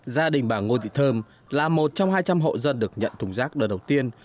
gia đình bà ngô thị thơm là một trong hai trăm linh hộ dân được nhận thùng rác đợt đầu tiên